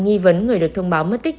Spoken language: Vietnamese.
nghi vấn người được thông báo mất tích